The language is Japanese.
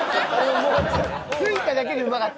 ついただけでうまかった。